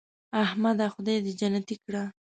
احمده خدای دې جنتې کړه .